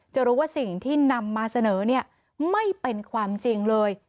จะรู้ว่าสิ่งที่นำมาเสนอเนี่ยไม่เป็นความจริงเลย